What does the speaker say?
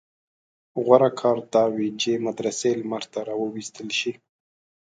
غوره کار دا وي چې مدرسې لمر ته راوایستل شي.